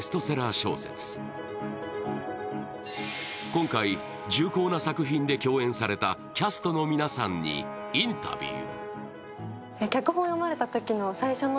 今回、重厚な作品で共演されたキャストの皆さんにインタビュー。